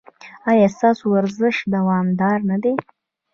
ایا ستاسو ورزش دوامدار نه دی؟